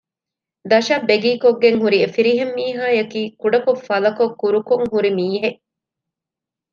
ދަށަށް ބެގީކޮށްގެން ހުރި އެފިރިހެން މީހާއަކީ ކުޑަކޮށް ފަލަކޮށް ކުރުކޮށް ހުރި މީހެއް